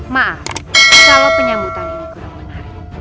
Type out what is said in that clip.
maaf kalau penyambutan ini kurang menarik